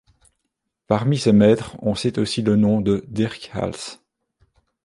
Parmi ses maîtres, on cite aussi le nom de Dirck Hals.